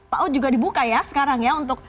paud juga dibuka ya sekarang ya untuk